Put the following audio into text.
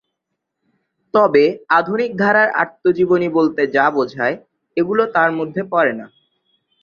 তবে আধুনিক ধারার আত্মজীবনী বলতে যা বোঝায়, এগুলি তার মধ্যে পড়ে না।